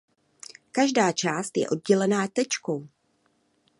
Každá část je oddělená tečkou.